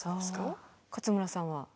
勝村さんは？